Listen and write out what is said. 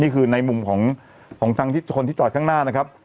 นี่คือในมุมของทางคนที่จอดข้างหน้านะครับ